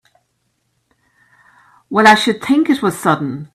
Well I should think it was sudden!